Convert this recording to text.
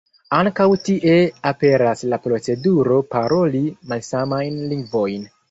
Ankaŭ tie aperas la proceduro paroli malsamajn lingvojn.